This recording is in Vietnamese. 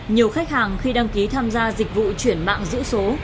nhiều khách hàng khi đăng ký tham gia dịch vụ chuyển mạng giữ số